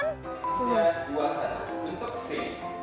tiga dua satu untuk faye